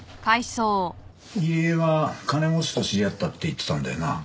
入江は金持ちと知り合ったって言ってたんだよな？